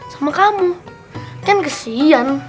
sama kamu kan kesian